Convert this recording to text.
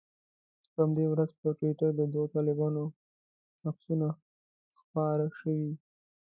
په همدې ورځ پر ټویټر د دوو طالبانو عکسونه خپاره شوي.